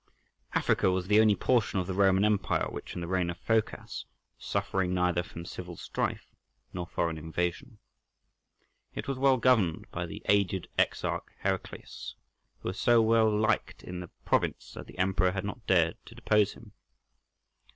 Africa was the only portion of the Roman Empire which in the reign of Phocas was suffering neither from civil strife nor foreign invasion. It was well governed by the aged exarch Heraclius, who was so well liked in the province that the emperor had not dared to depose him.